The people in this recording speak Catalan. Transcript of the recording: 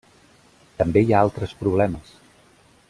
També hi ha altres problemes.